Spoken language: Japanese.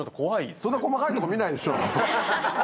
そんな細かいとこ見ないでしょ。